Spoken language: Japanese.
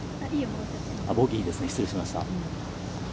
ボギーですね、失礼しました。